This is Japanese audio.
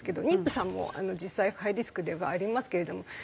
妊婦さんも実際ハイリスクではありますけれども。